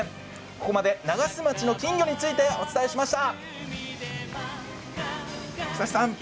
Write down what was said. ここまで長洲町の金魚についてお伝えしました。